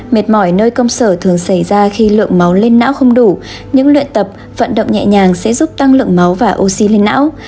mệt mỏi nơi công sở thường xảy ra khi lượng máu lên não không đủ những luyện tập vận động nhẹ nhàng sẽ giúp tăng lượng máu và oxy lên não